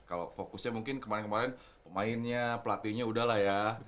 kalau fokusnya mungkin kemarin kemarin pemainnya pelatihnya udahlah ya